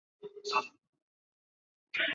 小金发藓为土马鬃科小金发藓属下的一个种。